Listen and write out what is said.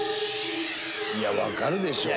いやわかるでしょ。